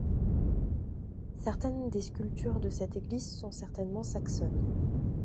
Certaines des sculptures de cette église sont certainement saxonnes.